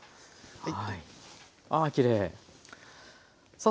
はい。